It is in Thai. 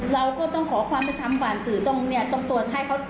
เราก็ต้องขอความเป็นธรรมผ่านสื่อตรงเนี่ยต้องตรวจให้เขา